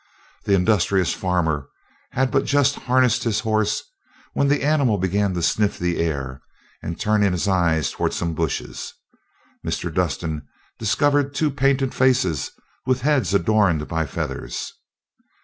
The industrious farmer had but just harnessed his horse, when the animal began to sniff the air, and, turning his eyes toward some bushes, Mr. Dustin discovered two painted faces, with heads adorned by feathers.